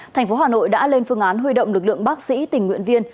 thành phố hà nội đã lên phương án huy động lực lượng bác sĩ tình nguyện viên